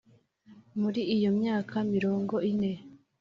Muri iyo myaka mirongo ine,